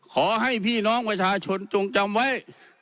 ขอให้พี่น้องประชาชนจงจำไว้